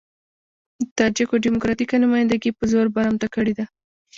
د تاجکو ډيموکراتيکه نمايندګي په زور برمته کړې ده.